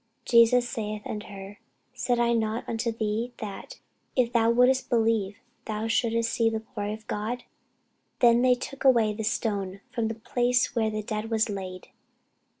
Jesus saith unto her, Said I not unto thee, that, if thou wouldest believe, thou shouldest see the glory of God? Then they took away the stone from the place where the dead was laid.